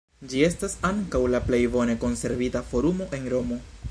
Ĝi estas ankaŭ la plej bone konservita forumo en Romo.